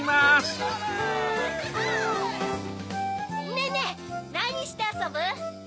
ねぇねぇなにしてあそぶ？